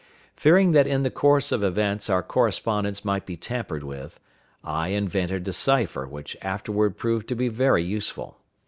Fearing that in the course of events our correspondence might be tampered with, I invented a cipher which afterward proved to be very useful.